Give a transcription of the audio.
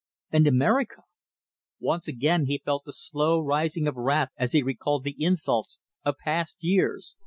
And America! Once again he felt the slow rising of wrath as he recalled the insults of past years